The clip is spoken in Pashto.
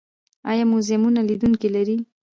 آیا موزیمونه لیدونکي لري؟